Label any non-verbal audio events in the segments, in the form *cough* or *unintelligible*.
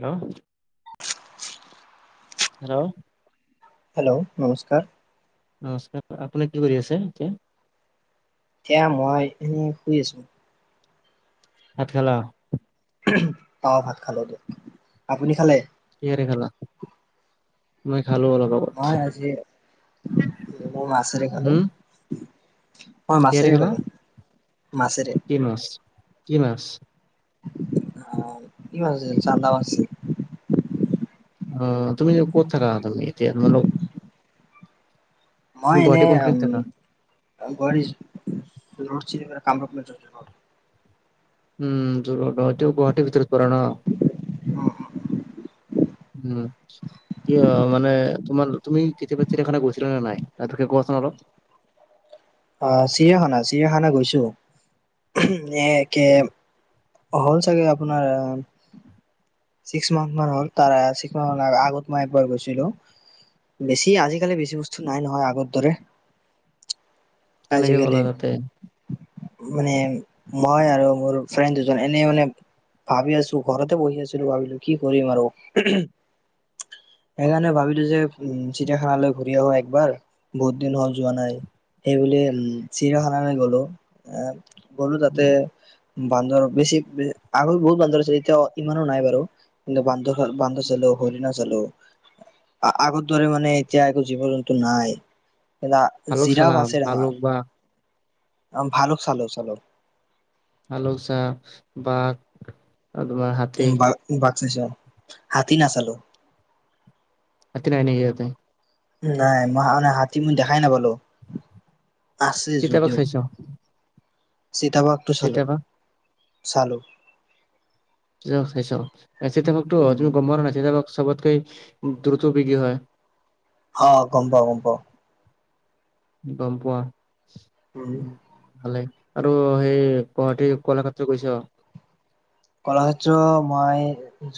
হ hello, hello নমস্কাৰ নমস্কাৰ, আপুনি কি কৰি আছে এতিয়া। সেয়া মই এনে শুই আছো। ভাত খালা? অ, ভাত খালো দে আপুনি খালে। কিহেৰে খালা? মই খালো অলপ মই আজি আগত। মই মাছেৰে খালো হুম মই মাছেৰে খালেদ। কি মাছ কি মাছ অহ, কি মাছ চান্দা আছে। অ, তুমি কত থাকা এতিয়া তোমালোক মই তুমি এনে গুৱাহাটী কোনখিনিত উম থাকা *unintelligible* *unintelligible* কামৰূপ মেত্ৰত উম জুৰোদ অ এইটো গুৱাহাটীৰ ভিতৰত পৰে ন? উম কিয় মানে তোমাৰ তুমি কেতিয়াবা চিৰিয়ানা গৈছিলা নে নাই তাত তোকে গছ *unintelligible* অ, চিৰিয়াখানা চিৰিয়াখানা গৈছো এ। হ'ল চাগে আপোনাৰ আ ছিক্স মান হল তিক্স ম আগত মই একবাৰ গৈছিলো। বেছি আজিকালি বেছি বস্তু নাই নহয় আগৰ দৰে। কেনেকে আজিকালি গ'লা তাতে। মানে মই আৰু মোৰ ফ্ৰেন দুজন। এনে মানে ভাবি আছো ঘৰতে বহি আছিলো ভাবিলো কি কৰিম আৰু। *inaudible* সেইকাৰণে ভাবিলো যে উম চিৰিয়াখানালৈ ঘূৰি আহো একবাৰ বহুত দিন হল যোৱা নাই। সেইবুলি উম, চিৰখানালে গ'লো, আ, গ'লো তাতে বান্দৰৰ বেছি বে আগত বহুত বান্দৰ আছিল, এতিয়া অ' ইমানো নাই বাৰু। কিন্তু বান্দৰৰ, বান্দৰ চালো, হৰিণা চা চালো। আ-আগৰ দৰে মানে এতিয়া একো জীৱ জন্তু নাই। ভালুক চালা জিৰা-জিৰাফ আছে ভালুক ডাঙৰ। বা অ' ভালো। খালো। চালো। আলক চাহ, বাঘ, আমাৰ হাাতি, বাঘ হাতী নাচালো। আতিনেনেতে। নাই মই মানে হাতী মই দেখাই নাপলো। আছে চিতাবাঘ যদিও, চাইছ চিতাবাগটো চালো চিতাবাঘ চালোঁ। চ চাই চিতাবকতো তুমি গম পোৱা নাই চাবক, চবতকেই দ্ৰুত বেগি হয়। অ, গমপাওঁ-গমপাওঁ গম পোৱা উম ভালে। আৰু সেই গুৱাহাটী কলাক্ষেত্ৰ গৈছ। কলাক্ষেত্ৰ মই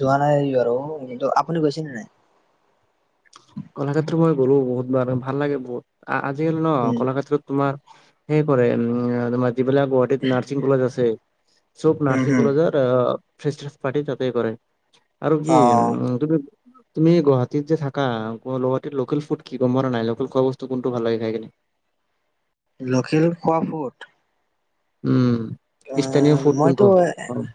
যোৱা নাই বাৰু কিন্তু আপুনি গৈছেনে নাই। কলাক্ষেত্ৰ মই গ'লো বহুত বাৰ ভাল লাগে বহুত আজিকালি ন উম কলাক্ষেত্ৰত তোমাৰ, সেই কৰে আৰু যিবিলাক গুৱাহাটীত নাৰ্ছিং কলেজ আছে চব নাৰ্ছিং হম কলেজৰ আ ফ্ৰেছ্ৰেছ পাৰ্টি তাতে কৰে আৰু অ কি তুমি তুমি গুৱাহাটীত যে থাকা, কাম, গুৱাহাটীত লোকেল ফুড কি? গম পোৱা নে নাই? লোকেল খোৱা বস্তু কোনটো ভাল লাগে, খাই কিনে? লোকেল খোৱা ফুড উম, অ স্থানীয় ফুড কোনটো মইতো হয়?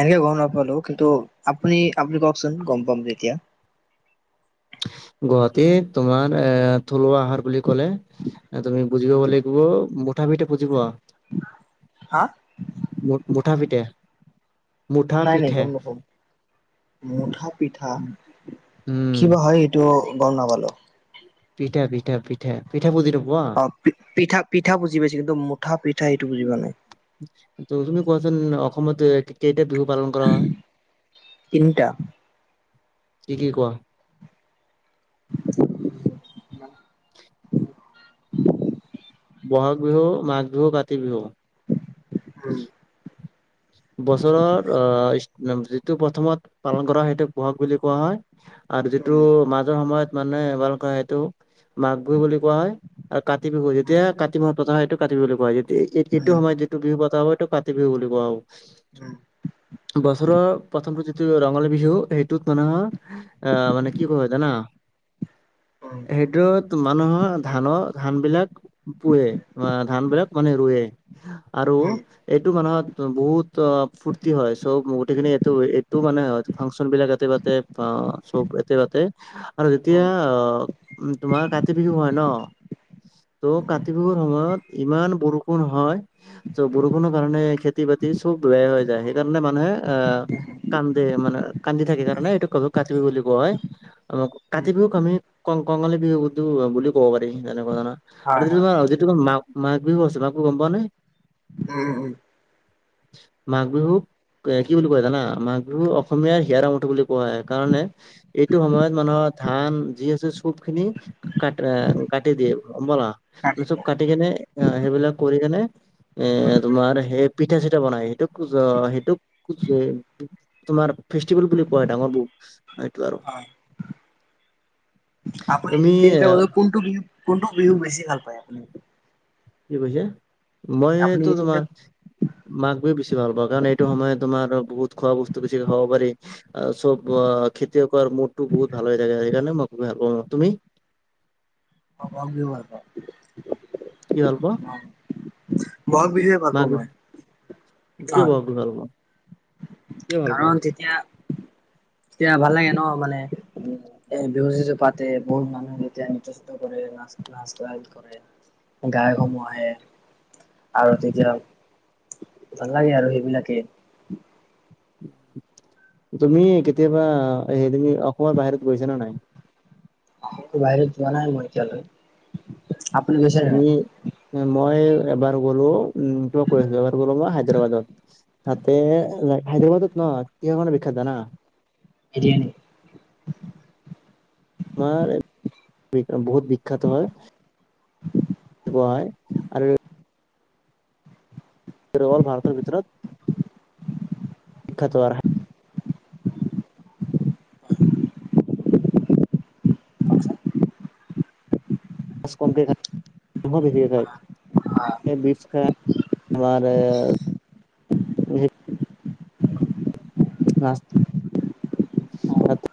এনেকে গম নাপালোঁ, কিন্তু আপুনি আপুনি কওকচোন, গম পাম তেতিয়া। গুৱাহাটীত তোমাৰ এ', থলুৱা আহাৰ বুলি ক'লে, এ', তুমি বুজি পাব লাগিব। মুঠা পিঠা বুজি পোৱা? হা মুঠ-মুঠা পিঠা। মুঠা নাই, নাই, পিঠা গম নাপাওঁ। মুঠা পিঠা, উম কিবা হয় এইটো? অহ'গ'ম নাপালোঁ। ফ্ৰীটে, ফ্ৰীটে, ফ্ৰীটে, ফ্ৰীটে বুজি নো অ' পিঠা পিঠা বুজি পাইছোঁ। কিন্তু মুঠা পিঠা সেইটো বুজি‌পোৱা নাই। ত তুমি কোৱাছোন? অসমত কেইটা বিহু পালন কৰা হয়? তিনিটা কি কি কোৱা। *inaudible* *unintelligible* ব'হাগ বিহু, মাঘ বিহু, কাতি বিহু। উম বছৰৰ অ' যিটো প্ৰথমত পালন কৰা সেইটোক বহাগ বুলি কোৱা হয়। আৰু উম, যিটো মাজৰ সময়ত মানে ভালকে সেইটো মাঘ বিহু বুলি কোৱা হয় আৰু কাতি বিহু উম, উম, যেতিয়া কাতি মাহত পতা হয় সেইতো কাতি বিহু বুলি কোৱা হয়। এ উম, উম, এইটো সময়ত যিটো বিহু পতা হয় এইটো কাতি বিহু বুলি কোৱা হয়। বছৰৰ প্ৰথম অসমত যিটো ৰঙালী বিহু সেইটোত মানে আঁ মানে কি হয় জানা- হেইটোত মানুহ দোনোহ ধানৰ ধান বিলাক পুৱে ধান বিলাক মানে ৰুৱে আৰু উম, এইটো মানুহত বহুত ত ফূৰ্তি হয় চব গোটেইখিনি এইটো এইটো মানে হয় ফাংচন বিলাক ইয়াতে পাতে অ চব ইয়াতে পাতে, আৰু উম, উম, যেতিয়া উম, অ উম তোমাৰ কাতি বিহু হয় ন ত' কাতি বিহুৰ সময়ত ইমান বৰষুণ হয় ত' বৰষুণৰ কাৰণে খেতি বাতি খুব বেয়া হৈ যায় সেইকাৰণে মানুহে আহ কান মানে কান্দি থাকে কাৰণে এইটো ক কাতি বিহু বুলি কোৱা হয় কাতি বিহুক আমি কঙালী। *unintelligible* বুলি ক'ব পাৰি তেনেকুৱা ধৰণৰ। আৰু হয় যিটো হয় তোমাৰ যিটো তোমাৰ মাঘ বিহু আছে মাঘ বিহু গম পোৱা নে। উম উম উম। মাঘ বিহুক কি বুলি কয় জানা? মাঘ বিহু অসমীয়াৰ হিয়াৰ আমঠু বুলি কোৱা হয় কাৰণে এইটো সময়ত মানুহৰ ধান যি আছে খুব খিনি ক কাটি দিয়ে মলা চব কাটি কেনে অঁ সেইবিলাক কৰি কেনে এ তোমাৰ সেই পিঠা চিঠা বনাই সেইটোক। *unintelligible* সেইটোক তোমাৰ ফেষ্টিভেল বুলি কয় ডাঙৰ বহুত সেইটো আৰু। *inaudible* হয় আপুনি তুমি এই তিনটা বিহু কোনটো বিহু কোনটো বিহু বেছি ভাল উম। কি কৈছে? মই এইটো তোমাৰ তিনিটাত মাঘ বিহু বেছি ভাল পাওঁ কাৰণ এইটো সময়ত তোমাৰ বহুত খোৱা বস্তু বেছি খাব পাৰি আৰু চব অ খেতিয়কৰ মুডটো বহুত ভাল হৈ থাকে, সেইকাৰণে মই খুব ভাল পাওঁ, তুমি? *unintelligible* কি ভাল পোৱা? অঁ বহাগ বিহুয়ে ভাল মাঘ পাওঁ বিহু মই। কিয় বহাগ বিহু ভাল পোৱা? কিয় ভাল পোৱা? কাৰণ তেতিয়া এতিয়া ভাল লাগে ন মানে উ এ বিহু যিটো পাতে বহুত মানুহে এতিয়া নৃত্য চিত কৰে। *inaudible* গায়ক সমূহ আহে। আৰু তেতিয়া ভাল লাগে আৰু এইবিলাকে। তুমি কেতিয়াবা এই তুমি অসমৰ বাহিৰত গৈছা নে নাই? অসমটোৰ বাহিৰত যোৱা নাই মই এতিয়ালৈ। আপুনি গৈছে নে তুমি নাই মই। এবাৰ গ'লো উম কিবা কৈ আছোঁ এবাৰ গলো মই হায়দৰাবাদত তাতে হায়দৰাবাদত। অ' কিহৰ কাৰণে বিখ্যাত জানা। বিৰিয়াণী। মই বহুত বিখ্যাত হয় কোৱা হয় আৰু। ভাৰতৰ ভিতৰত বিখ্যাত *inaudible* মাছ কমকে খাই মাংস বেছিকে অ', খাই। *unintelligible* অ'। *unintelligible*